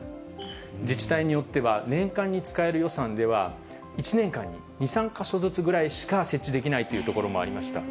自治体によっては、年間に使える予算では、１年間に２、３か所ずつぐらいしか設置できないという所もありました。